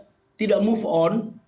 maksud saya ini akan lari lari di tempat